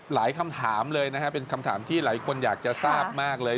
คำถามเลยนะครับเป็นคำถามที่หลายคนอยากจะทราบมากเลย